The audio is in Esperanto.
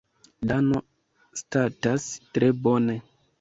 Dano statas tre bone.